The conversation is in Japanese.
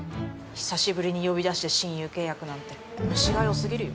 久しぶりに呼び出して親友契約なんて虫が良過ぎるよ。